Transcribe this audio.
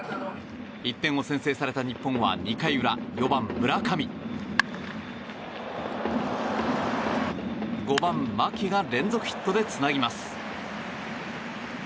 １点を先制された日本は２回裏４番、村上５番、牧が連続ヒットでつなぎます。